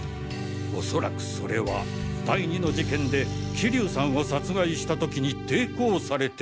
おそらくそれは第２の事件で桐生さんを殺害した時に抵抗されて。